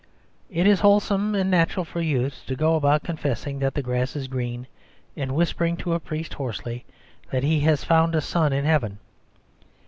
It is wholesome and natural for youth to go about confessing that the grass is green, and whispering to a priest hoarsely that it has found a sun in heaven.